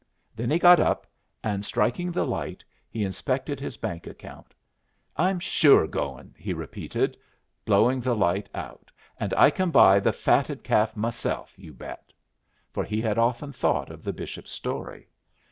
Then he got up, and, striking the light, he inspected his bank account. "I'm sure goin'," he repeated, blowing the light out, "and I can buy the fatted calf myself, you bet!" for he had often thought of the bishop's story.